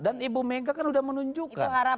dan ibu megah kan sudah menunjukkan